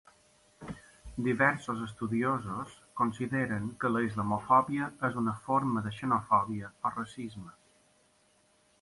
Diversos estudiosos consideren que la islamofòbia és una forma de xenofòbia o racisme.